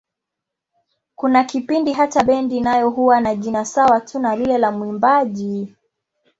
Kuna kipindi hata bendi nayo huwa na jina sawa tu na lile la mwimbaji.